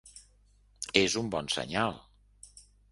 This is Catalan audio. És un bon senyal.